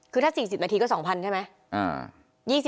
คือถ้า๔๐นาทีก็๒๐๐ใช่ไหม